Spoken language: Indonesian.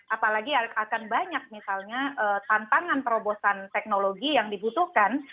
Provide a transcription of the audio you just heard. apalagi akan banyak misalnya tantangan terobosan teknologi yang dibutuhkan